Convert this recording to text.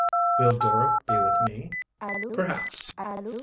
"Will Dora be with me?" "Perhaps."